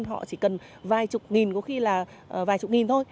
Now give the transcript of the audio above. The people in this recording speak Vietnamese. họ chỉ cần vài chục nghìn có khi là vài chục nghìn thôi